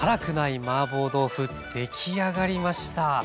出来上がりました！